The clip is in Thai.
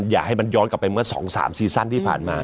อยากให้มันย้อนกลับไปเมื่อ๒๓ซีซั่นที่ผ่านมา